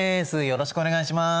よろしくお願いします！